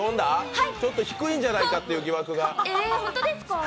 ちょっと低いんじゃないという疑惑が。